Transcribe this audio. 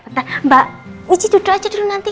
bentar mbak michi duduk aja dulu nanti